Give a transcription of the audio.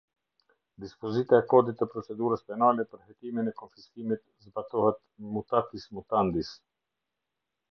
Dispozita e Kodit të Procedurës Penale për hetimin e konfiskimit zbatohet mutatis mutandis.